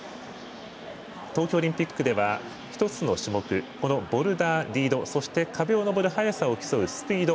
東京オリンピックでは１つの種目このボルダー、リードそして壁を登る速さを競うスピード